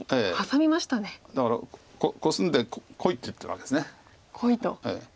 だからコスんでこいって言ってるわけです。